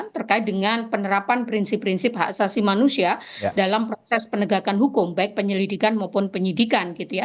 terkait dengan penerapan prinsip prinsip hak asasi manusia dalam proses penegakan hukum baik penyelidikan maupun penyidikan gitu ya